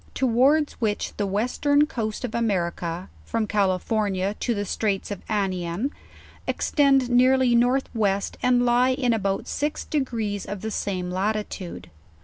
Towards which the western coast of America, from Calfor nia to the Straights of Annian, extend nearly north west, and lie in about six degress of the same latitude.